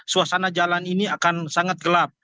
suasana jalan ini akan sangat gelap